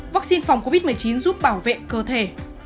vắc xin phòng covid một mươi chín giúp bảo vệ cơ thể